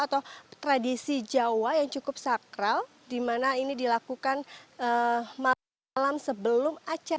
atau tradisi jawa yang cukup sakral di mana ini dilakukan malam sebelum acara